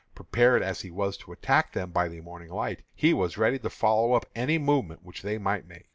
Prepared as he was to attack them by the morning light, he was ready to follow up any movement which they might make.